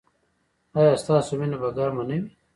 ایا ستاسو مینه به ګرمه نه وي؟